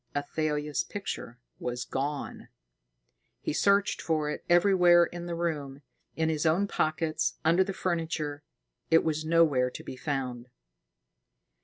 Athalia's picture was gone. He searched for it everywhere in the room, in his own pockets, under the furniture. It was nowhere to be found.